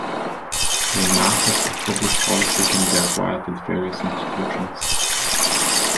A Master's of Public Policy can be acquired at various institutions.